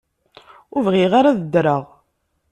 Ur bɣiɣ ara ad ddreɣ.